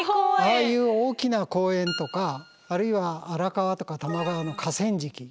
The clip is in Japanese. ああいう大きな公園とかあるいは荒川とか多摩川の河川敷。